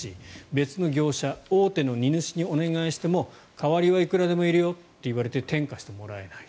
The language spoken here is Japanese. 別の業者大手の荷主にお願いしても代わりはいくらでもいるよと言われ転嫁してもらえない。